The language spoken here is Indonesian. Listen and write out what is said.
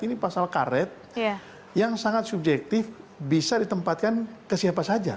ini pasal karet yang sangat subjektif bisa ditempatkan ke siapa saja